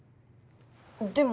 でも。